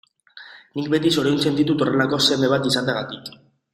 Nik beti zoriontzen ditut horrelako seme bat izateagatik.